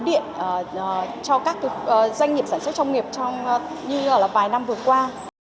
doanh nghiệp sản xuất trong nghiệp trong như là vài năm vừa qua